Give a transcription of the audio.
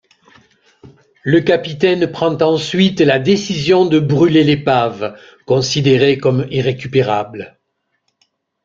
Le capitaine prend ensuite la décision de bruler l'épave, considérée comme irrécupérable.